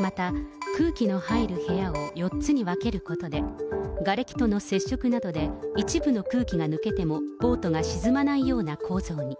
また、空気の入る部屋を４つに分けることで、がれきとの接触などで一部の空気が抜けても、ボートが沈まないような構造に。